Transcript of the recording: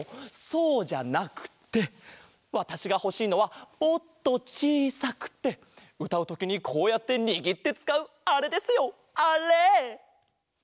そうじゃなくってわたしがほしいのはもっとちいさくてうたうときにこうやってにぎってつかうあれですよあれ！